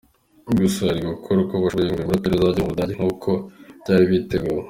Gusa bari gukora uko bashoboye ngo uyu muraperi azajye mu Budage nkuko byari biteguwe.